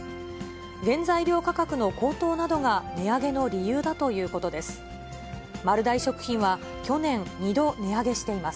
原材料価格の高騰などが値上げの理由だということです。